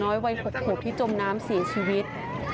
น้อยวัยหกที่จมน้ำเสียชีวิต